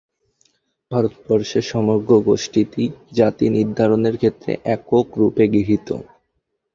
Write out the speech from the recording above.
ভারতবর্ষে সমগ্র গোষ্ঠীটিই জাতিনির্ধারণের ক্ষেত্রে একক-রূপে গৃহীত।